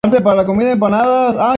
Mab está fuertemente perturbado.